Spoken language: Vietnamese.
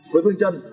với vương trân